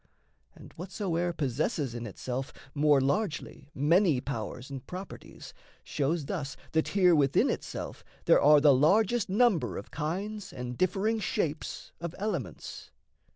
And whatsoe'er possesses in itself More largely many powers and properties Shows thus that here within itself there are The largest number of kinds and differing shapes Of elements.